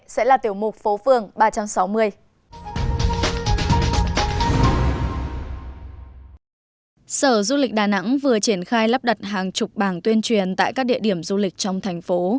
đà nẵng vừa triển khai lắp đặt hàng chục bảng tuyên truyền tại các địa điểm du lịch trong thành phố